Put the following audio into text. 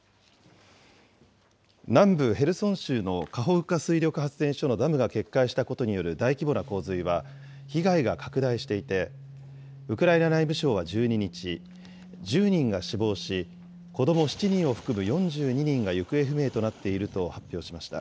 南部ヘルソン州のカホウカ水力発電所のダムが決壊したことによる大規模な洪水は被害が拡大していて、ウクライナ内務省は１２日、１０人が死亡し、子ども７人を含む４２人が行方不明となっていると発表しました。